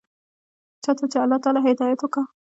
چا ته چې الله تعالى هدايت وکا.